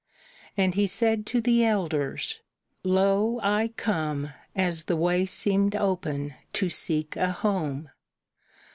And he said to the elders: "Lo, I come As the way seemed open to seek a home.